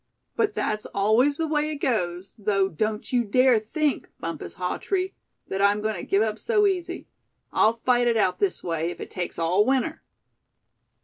But that's always the way it goes; though don't you dare think Bumpus Hawtree, that I'm going to give up so easy. I'll fight it out this way if it takes all winter."